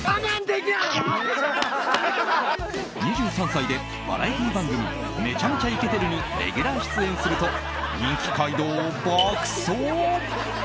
２３歳でバラエティー番組「めちゃ×２イケてるッ！」にレギュラー出演すると人気街道を爆走。